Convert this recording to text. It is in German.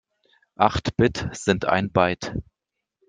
Acht Bit sind ein Byte.